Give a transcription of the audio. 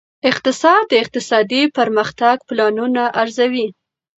اقتصاد د اقتصادي پرمختګ پلانونه ارزوي.